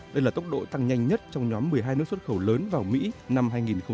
đây là tốc độ tăng nhanh nhất trong nhóm một mươi hai nước xuất khẩu lớn vào mỹ năm hai nghìn một mươi tám